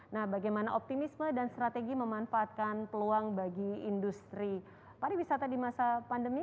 nah bagaimana optimisme dan strategi memanfaatkan peluang bagi industri pariwisata di masa pandemi